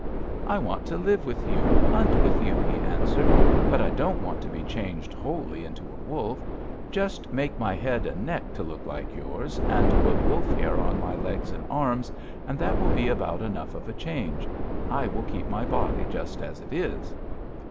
"'I want to live with you, hunt with you,' he answered, 'but I don't want to be changed wholly into a wolf. Just make my head and neck to look like yours, and put wolf hair on my legs and arms, and that will be about enough of a change. I will keep my body just as it is.'